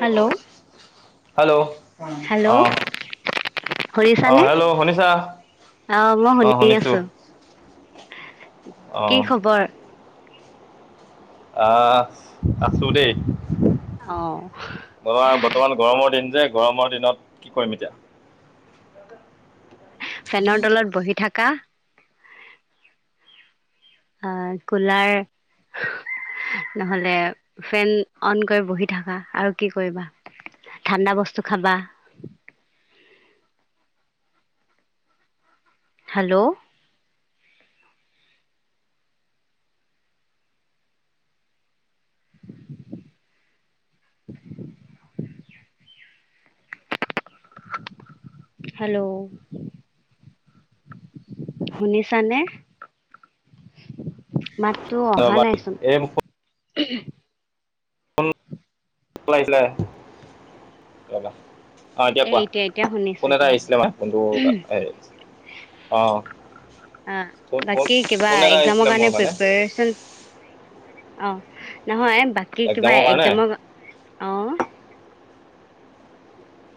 Hello hello অ শুৰিছা নে আহ মই অঁ শুনি শুনিছোঁ আছো অঁ কি খবৰ আহ আছো দেই অ ত বৰ্তমান গৰমৰ দিন যে গৰমৰ দিনত কি কৰিম এতিয়া ফেনৰ তলত বহি থকা অ কুলাৰ নহ'লে ফেন অন কৰি বহি থাকা আৰু কি কৰিবা ঠাণ্ডা বস্তু খাবা হেল্ল' হেল্ল' শুনিছানে মাত তটো অহা ৰ'বা নাইচোন [unintelligible] অ এতিয়া এ কোৱা এতিয়া শুনিছো কোন এটা এতিয়া আহিছিলে শুনিছো মই কোনটো আহ অ' বাকী কিবা একজামৰ আহিছিলে মোৰ কাৰণে মানে প্ৰিপেৰচন নহয় বাকী কিবা এক্সামৰ কাৰণে একজামৰ, অঁহ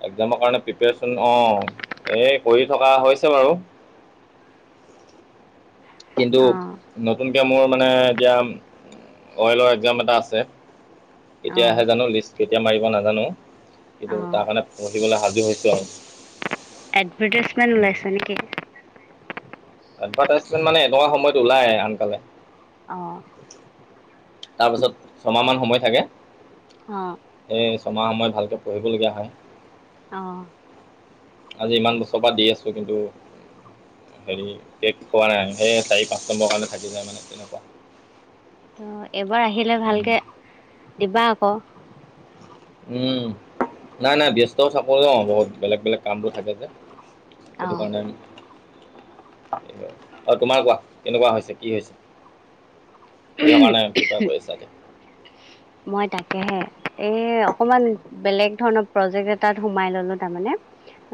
একজামৰ কাৰণে প্ৰিপৰেচন, অঁ এ কৰি থকা হৈছে বাৰু। [inaudible] কিন্তু অ নতুন গতিকে মোৰ মানে এতিয়া অয়েলৰ একজাম এটা আছে। অ কেতিয়া আহে জানো লিষ্ট কেতিয়া মাৰিব নাজানো, কিন্তু অ তাৰ কাৰণে পঢ়িবলৈ হা ৰেডী হৈছো আৰু এডভাৰটাইজমেন্ট ওলাইছে নেকি? এডভাৰটাইজমেন মানে এনেকুৱা সময়ত ওলাই আনকালে। অঁ তাৰপিছত ছমাহ মান সময় থাকে। অঁ সেই ছমাহ সময় ভালকৈ পঢ়িবলগীয়া হয়। অঁ আজি ইমান বছৰৰ পৰা দি আছো কিন্তু- হেৰি কে পোৱা নাই সেই চাৰি পাঁচ নম্বৰ কাৰণে থাকি যায় মানে তেনেকুৱা, অঁ এবাৰ আহিলে ভালকে দিবা আক। উম নাই নাই ব্যস্তও থাকো নহ বহুত বেলেগ বেলেগ কাম বোৰ থাকে যে। এটো অ', কাৰণে আৰু তোমাৰ কোৱা কেনেকুৱা হৈছে কি হৈছে- ক কাৰণে কৃপা কৰিছাগে? মই তাকেহে, এ অকমান বেলেগ ধৰণৰ প্ৰজেক্ট এটাত সোমাই ললো তাৰমানে,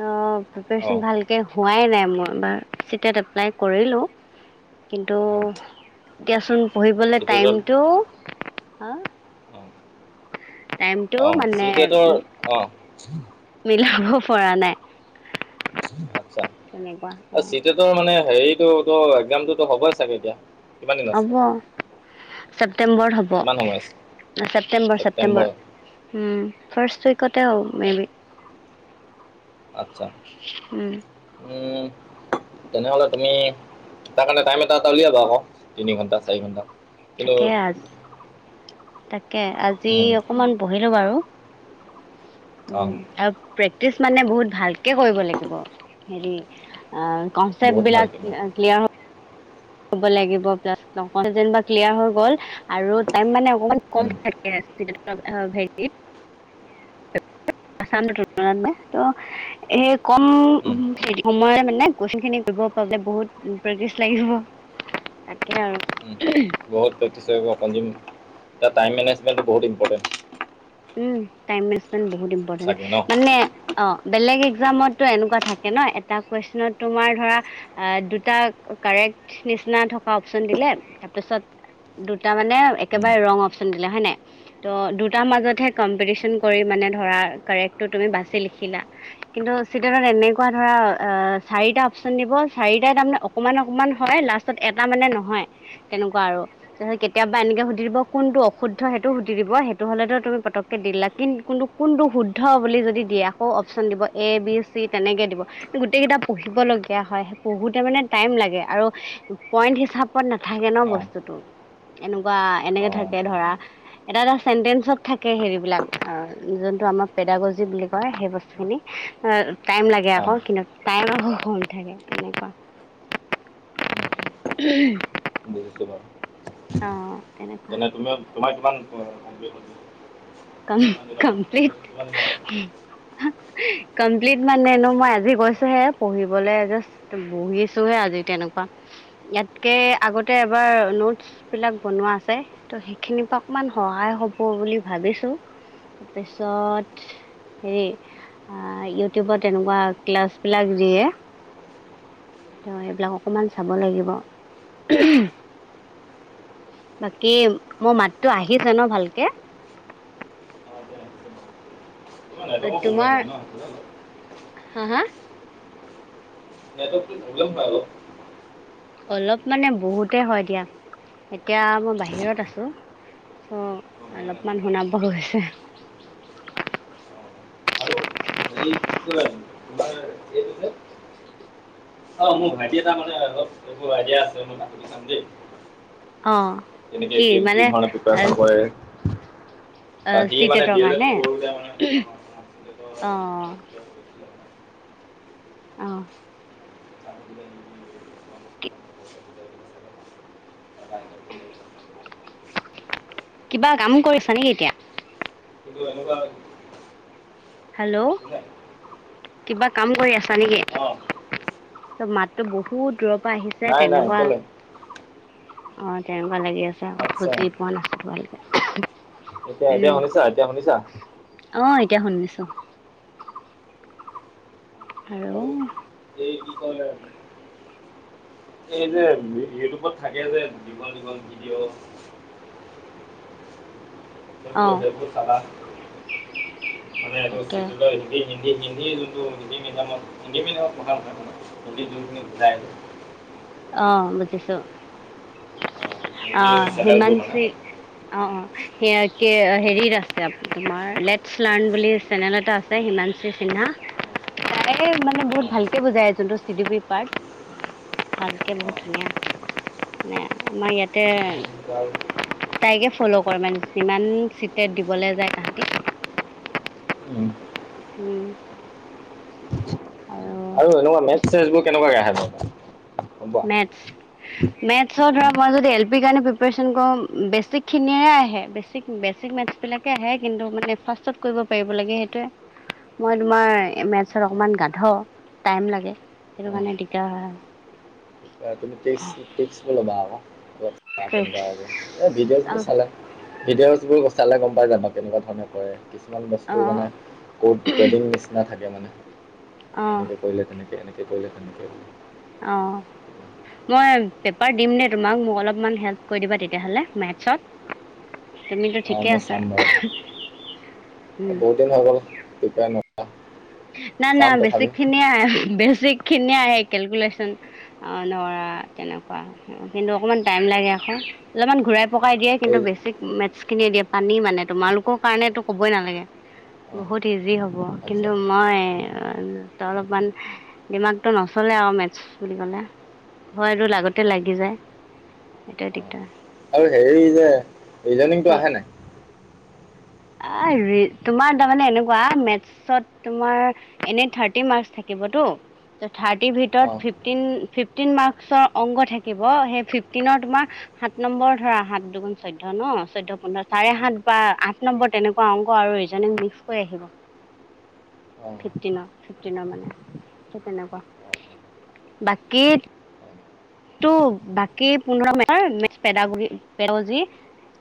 অঁ অঁ প্ৰিপাৰেচন ভালকে হোৱাই নাই মোৰ এইবাৰ চি টেট এপ্লাই কৰিলো। কিন্তু অঁ এতিয়াচোন পঢ়িবলৈ চিটেটত টাইমটো হা। অঁ টাইমটো অ' মানে চি টেটৰ অ ' লাভ পৰা নাই। আটছা তেনেকুৱা অ', চি টেটৰ মানে হেৰি টো ত একজামটো টো হ'বই চাগে এতিয়া। কিমান দিন আছে? হ'ব ছেপ্তেম্বৰ হ'ব। কিমান সময় আছে? ছেপটেম্বৰ ছেপ্টেম্বৰ ছেপটেম্বৰ ফাৰ্ষট উইকতে হ মে বি আচ্ছা উম। উম। তেনেহলে তুমি তাৰ কাৰণে টাইম এটা এটা উলিয়াবা আকৌ তিনি ঘন্টা চাৰি ঘন্টা। তাকে আ তাকে আজি উম, অকমান বহিলোঁ বাৰু। উম অ', আৰু প্ৰেক্টিচ মানে বহুত ভালকে কৰিব লাগিব হেৰি। কনচেপ্ট বহুত বিলাক ভালকে ক্লিয়াৰ হ হ'ব লাগিব প্লা যেন ক্লিয়াৰ হৈ গ'ল। আৰু টাইম মানে অকমান কম উম, থাকে চি টেটৰ হেৰিত। [inaudible] কম উম, সময়ে মানে কুয়েচন খিনি কৰিব পৰাকে বহুত প্ৰেক্টিচ লাগিব তাকে আৰু বহুত প্ৰেক্টিনি লাগিব, টাইম মেনেজমেণ্ট টো বহুত ইম্পটেণ্ট। উম টাইম মেজমেট বহুত ইম্পৰটেণ্ট চাগে ন? মানে অ' বেলেগ। একজামতো এনেকুৱা থাকে ন' এটা কুৱেশনত তোমাৰ ধৰা দুটা কাৰেক্ট। নিচিনা থকা অপশচন দিলে তাৰপিছত। দুটা মানে উম, একেবাৰে ৰং অপচন দিলে হয় নাই ত' দুটাৰ মাজত। কম্পিটিশন কৰি মানে ধৰা কৰেক্ট তুমি বাচি লিখিলা কিন্তু চিটত এনেকুৱা ধৰনেকে। ধৰা এ চাৰিটা অপচন দিব, চাৰিটাই তাৰমানে অকণমান অকণমান হয়, লাষ্টত এটা মানে নহয়। তেনেকুৱা আৰু তাছত কেতিয়াবা এনেকে সুধি দিব কোনটো অশুদ্ধ সেইটো সুধি দিব সেইটো হলেত' তুমি প পটককে দি দিলা কিন কোনটো কোনটো শুদ্ধ বুলি যদি দিয়ে আকৌ অপশ্যন দিব এ, বি, চি তেনেকে দিব। গোটেই কেইটা পঢ়িব লগীয়া হয়, পঢ়োতে মানে টাইম লাগে আৰু পইন্ট হিচাপত নাথা ন' অ', বস্তুতো, এনেকুৱা এনেকে অ', থাকে ধৰা, এটা এটা চেন্তেন্সত থা কে হেৰিবিলাক অ, যোনটো আমাৰ পেদাগজি বুলি কয়, সেই বস্তুখিনি অ টাইম লাগে অ', অ', আকৌ, কিন্তু টাইম আকৌ কম থাকে তেনেকুৱা। উম, উম, উ বুজিছোঁ বাৰু। অ'। তেনে তুমি তোমাৰ কিমান অ, কমপ্লিট [inaudible] ক, কিমান দিনৰ কমপ্লিট পৰা কিমান দিনৰ পৰা কমপ্লিট মানেনো মই আজি গৈছোঁহে, পঢ়িবলৈ যষ্ট বহিছোঁহে আজি তেনেক ইয়াতকে আগতে এবাৰ নোটচ বিলাক বনোৱা আছে ত' সেইখিনিৰ পৰা ইমান সহায় হ'ব বুলি ভাবিছোঁ। তাৰপিছত হেৰি, অ, ইউটিউবত তেনেকুৱা ক্লাছ বিলাক দিয়ে। ত' এইবিলাক অকণমান চাব লাগিব। বাকী মোৰ মাততো আহিছে ন' ভালকে? [inaudible] তোমাৰ [inaudible] হা হা? হ'লেও ভাল অ'। অলপ মানে বহুতে হয় দিয়া, এতিয়া মই বাহিৰত আছোঁ। চ' অলপমান শুনা বহু হৈছে। অ তোমাৰ অ', মোৰ ভাইটি এটা মানে অলপ এইবোৰ আইডিয়া আছে, মই সুধি চাম দেই। অ এনেকে কি, কি ধৰণে প্ৰিপেৰেচন কৰে। বা অহ, সি চিত এ মানে তৰ ডি এল এড কাৰণে? কৰোঁতে মানে অ'। অহ। কিবা কাম কৰিছা নেকি এতিয়া? কিন্তু এনেকুৱা হেল্ল' কোনে কিবা কাম কৰি আছা নেকি? অঁ ত' মাততো বহুত দূৰৰ পৰা আহিছে নাই নাই তেনেকুৱা। কেলে অ', তেনেকুৱা লাগি আছে, আ আচ্ছা বুজি পোৱা নাছিলোঁ ভালকে। এতিয়া এতিয়া শুনিছা এতিয়া শুনিছা? অ এতিয়া শুনিছোঁ। আৰু এই কি কয় এই যে ইউটিউবত থাকে যে, দীঘল দীঘল ভিডিঅ'। অ সেইবোৰ সেইবোৰ চাবা, মানে এইবোৰ [inaudible] তাকে হিন্দী যোনটো হিন্দী মিডিয়ামত হিন্দী মিডিয়ামত পঢ়া [inaudible] হিন্দী যোনখিনি বুজাই অ', বুজিছোঁ অঁ, হিন্দী অ'। চেনেলবোৰ মানে হিমানছি, অ', অ'। হে এতিয়া হেৰিত আছে আপ-তোমাৰ লেটছ নান বুলি চেনেল এটা আছে। হিমানছি হা, তাই মানে বহুত অঁ, ভালকে বুজায় যোনটো চি ডি বি পাৰ্ট। ভালকে বহুত অঁ, ধুনীয়াকে, মানে আমাৰ ইয়াতে অঁ, এনেকুৱা তাইকে ফ'ল' কৰে মানে, যিমান চিটেট দিবলৈ যায় তাহাঁতি। উম। আৰু এনেকুৱা মেথ চেছবোৰ কেনেকুৱা [unintelligible] মেথছ। মেথছৰ ধৰা মই যদি এল পিৰ কাৰণে প্ৰিপাৰেচন কৰো উম, বেছিক খিনিয়ে আহে বেছিক বে বেছিক মেথছ বিলাকে আহে, কিন্তু মানে ফাৰ্ষ্টত কৰিব পাৰিব লাগে সেইটোৱে। মই তোমাৰ এ, মেথছ অকমান পোৱা গাধ। টাইম লাগে, সেইটো কাৰণে দিকদাৰ হয় আৰু। তুমি তেইছ, তেইছ চাবলৈ বা আকৌ, [unintelligible] ট্ৰিক্স কেনেকুৱা হ'ব। এ, বিদেশবোৰ অঁ চালে ভিডিঅ'ছবোৰ চালে গম পাই যাবা, কেনেকুৱা ধৰণে কৰে কি কিছুমান বস্তু অঁ মানে, ক'ড কডিং নিচিনা থাকে মানে। অঁ এনেকে কৰিলে তেনেকে, এনেকে কৰিলে তেনেকে। অঁ মই পেপাৰ দিম দেই তোমাক মোক অলপ হেল্প কৰি দিবা তেতিয়া হ'লে মেটচত। তুমিতো অঁ ঠিকে মই আছা। চাম বাৰু [unintelligible] এই উম। বহুত দিন হৈ গ'ল প্ৰিপেয়াৰ ন না না চাম তথাপি বেছিক খিনিয়ে আ বেচ চিক খিনিয়ে আহে কেলকুলেশ্যন অঁ ধৰা তেনেকুৱা কিন্তু অকণমান টাইম লাগে আ অলমান ঘূৰাই পকাই দিয়ে, কিন্তু এই বেছিক মেট খিনি দিয়ে পানী মানে। তোমালোকৰ কাৰণে তো ক'বই নালাগে অঁ বহুত ইজি হ'ব কিন্ ত্ত আচ্ছা মই অ' ত অলপমান দিমাগতটো নচ'লে আও মেথছ বুলি ক'লে। ভয়টো লাগোতে লাগি যায়। সেইটোৱে দিগ অঁ আৰু হেৰি যে ৰিজনিংটো কি আহে নাই? আ ৰি তোমাৰ তামানে এনেকুৱা মেথছত তোমাৰ এনে থাৰ্টি মাৰ্ক্স থাকি ব টো। ত থাৰ্টিৰ ভিতৰত অঁ ফিফটিন, ফিফটিন মাৰ্কচৰ অংক থাকিব সেই ফিফটিনৰ তোমাৰ সাত নম্বৰ ধৰা সাত দুগুন চৈধ্য ন চৈধ্য পোন্ধৰ চাৰে সাত বা আঠ নম্বৰ তেনেকুৱা অংক আৰু ৰিজিনিং মিক্স কৈ আহিব। অঁ অঁ ফিফটিনৰ ফিফটিনৰ মানে সেই তেনেকুৱা। অঁ বাকী টো বাকী পোন্ধৰ number maths pedagogy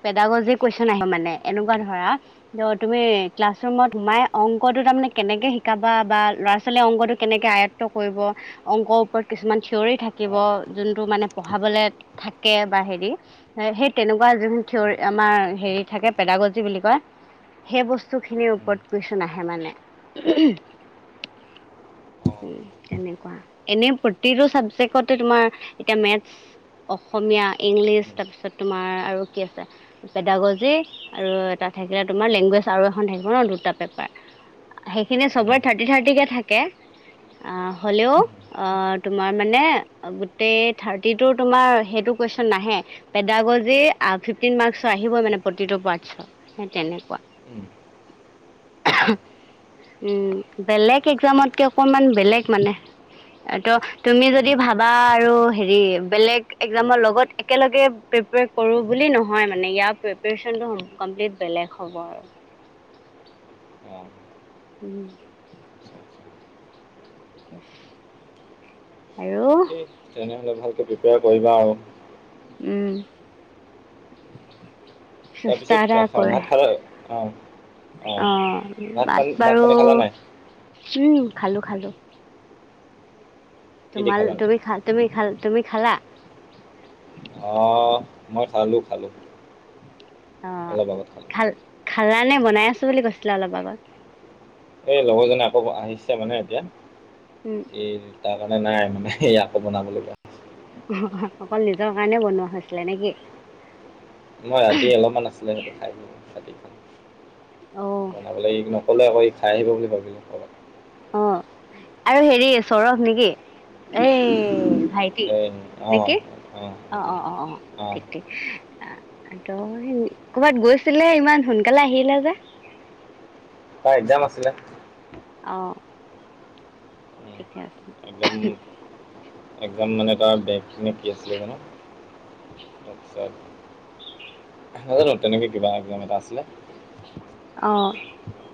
pedagogy question আহিব মানে এনেকুৱা ধৰা, ত' তুমি ক্লাছ ৰুমত সোমাই অংকটো তাৰ মানে কেনেকে শিকাবা বা ল'ৰা ছোৱালীয়ে অংকতটো কেনেকে আয়ত্ব কৰিব, অংক ওপৰত কিছুমান থিয় থিয়ৰি থাকিব। অঁ অঁ যোনটো মানে পঢ়া বলে থাকে বা হেৰি সেই তেনেকুৱা যোন থিয়ৰি আমাৰ হে হেৰি থাকে পেদাগজি বুলি কয়। সেই বস্তু খিনিৰ ওপৰত কোৱেশ্যন আহে মানে। উম, তেনেকুৱা এনে প্ৰতিটো চাবজেক্টতে তোমাৰ এতিয়া মেথ্ৰছ অসমীয়া, ইংলিছ তাৰপিছত তোমাৰ আৰু কি আছে পেদাগজী আৰু তাত থাকিলে তোমাৰ লেংগুৱেজ আৰু এখন থাকিব ন দুটা পেপাৰ। সেইখিনি চবৰে থ্ৰাৰ্টি থ্ৰাৰ্টিকে থাকে। আহ হ'লেও আহ তোমাৰ মানে গোট গোটেই থ্ৰাটিটো তোমাৰ সেইটো কুৱেশ্যন নাহে পেডাগজি ফিফটিন মাৰ্ক্সৰ আহিব মানে প্ৰতিটো পাৰটশ্ব সেই তেনেকুৱা। উম। [unintelligible] উম, বেলেগ এক্সামতকৈ অকনমান বেলেগ মানে এইটো তুমি যদি ভাবা আৰু হেৰি বেলেগ এক্সামৰ লগত একেলগে প্ৰিপেয়াৰ কৰোঁ বুলি নহয় মানে ইয়াৰ প্ৰিপেয়াৰচন তোৰ কম্পিলিট বেলেগ হ'ব আৰু অ' উম। আচ্ছা ক'ৰ আৰু ঠিকেই তেনেহ'লে ভালকৈ প্ৰিপেয়াৰ কৰিবা আৰু উম। তাৰ চেষ্টা পিছত এটা খ কৰে ভাত খালা নাই? অঁ ভাত বাৰু খালা নাই উম খালো খালো কি দি তোমাল খালা তুমি তুমি তুমি খালা? অঁ মই খালোঁ খালোঁ। অ অলপ আগত খালোঁ খাল খালা নে বনাই আছো বুলি কৈছিলে অলপ আগত? এই লগৰ জনে আকৌ আহিছে মানে এতিয়া উম, এই তাৰ কাৰণে নাই মানে স আকৌ বনাবলগীয়া অকল নিজৰ কাৰণে বনোৱা হৈছিলে নেকি মই ৰাতি অলপমান আছিলে স খাই ৰা অঁ বনাবলৈ ই নকলে আকৌ ই খাই আহিব বুলি ভাবিলো অ আৰু হেৰি চৰস নেকি এই ভাইটি এই অ নেকি অ অ অ অ অ ঠিক ঠিক ত কৰ'বাত গৈছিলে ইমান সোনকালে আহিলে যে ত এক্জাম আছিলে অঁ ঠিকে আছে একদম একজাম মানে তাৰ বেগ মে কি আছিলে জানো তাৰপিছত নাজানো তেনেকে কিবা এক্জাম এটা আছিলে অ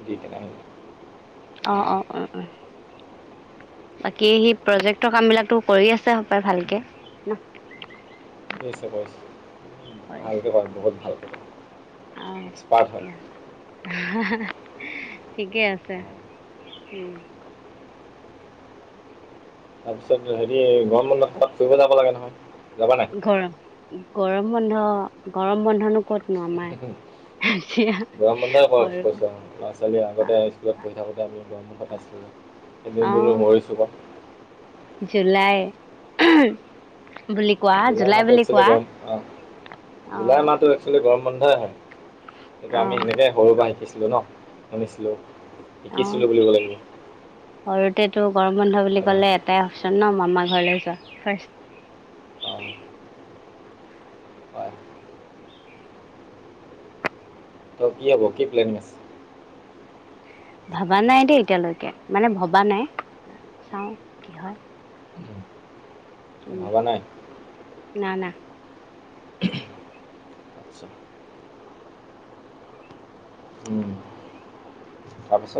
দি কে নে অঁ অঁ অঁ অ বাকী সি প্ৰজেক্টৰ কাম বিলাকো কৰি আছে সপায় ভালকে ন [unintelligible] কৰিছে ভালকৈ পমবহুত ভালকৈ পাম এক্সপাৰ্ট হয় ঠিকেই আছে অঁ উম তাৰপিছত হেৰি গৰম বন্ধ কবাত ফুৰিব যাব লাগে নহয় যাবা নাই গৰম গৰম বন্ধ গৰম বন্ধনো ক'তনো আমাৰ গৰম বন্ধা কৰা সৰু কৈছোঁ ল'ৰা ছোৱালী আগতে হাই স্কুলত পঢিশ থাকোঁতে আমি গৰম বন্ধ পাইছিলোঁ অ এদিন বুলি মছো ক জুলাই বুলি কোৱা জুলাই মাহটো বুলি একচলি কোৱা গৰম অ অ জুলাই মাহটো একচুৱেলি গৰম ব হয় হয় সেইটো অ আমি সেনেকেই সৰু পৰাৰা শিকিছিলোঁ ন শুনিছিলোঁ অ', শিকিছিলোঁ বুলিব লাগিব সৰুতেতো গৰম বন্ধ বুলি হয় নহয় ক'লে এটাই অপচন ন মামাৰ ঘৰলৈ যোৱা ফাৰ অ ত' কি হ'ব কি প্লেনিং আছে ভবা নাই দেই এতিয়ালৈকে মানে ভবা নাই চাও কি হয় উম ভবা নাই না না আচ্ছা তাৰপাছত